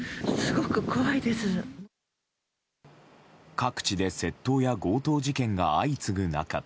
各地で窃盗や強盗事件が相次ぐ中